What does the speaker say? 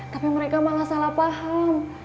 tapi mereka malah salah paham